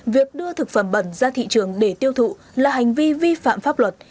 việc đưa thực phẩm bẩn ra thị trường để tiêu thụ là hành vi vi phạm pháp luật